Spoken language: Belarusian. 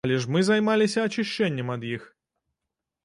Але ж мы займаліся ачышчэннем ад іх.